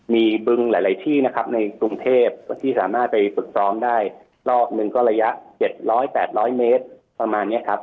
มีบึงหลายที่นะครับในกรุงเทพที่สามารถไปฝึกซ้อมได้รอบหนึ่งก็ระยะ๗๐๐๘๐๐เมตรประมาณนี้ครับ